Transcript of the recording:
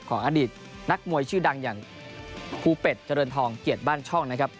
อดีตนักมวยชื่อดังอย่างภูเป็ดเจริญทองเกียรติบ้านช่องนะครับ